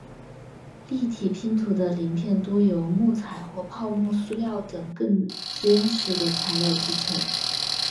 立体拼图的零片多由木材或泡沫塑料等更坚实的材料制成。